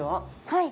はい。